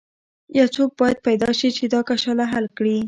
یو څوک باید پیدا شي چې دا کشاله حل کړي.